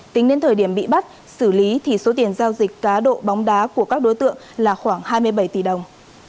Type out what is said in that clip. tính đến thời điểm bị bắt xử lý thì số tiền giao dịch cá độ bóng đá của các đối tượng là khoảng hai mươi bảy tỷ đồng